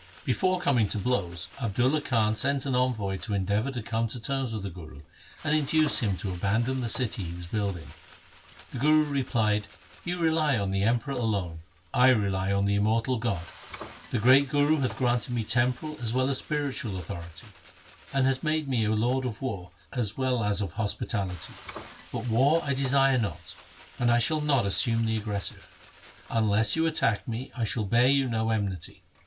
Before coming to blows Abdulla Khan sent an envoy to endeavour to come to terms with the Guru, and induce him to abandon the city he was building. The Guru replied, ' You rely on the Emperor alone ; I rely on the Immortal God. The great Guru hath granted me temporal as well as spiritual authority, and made me a lord of war as well as of hospitality ; but war I desire not, and shall not assume the aggressive. Unless you attack me I shall bear you no enmity.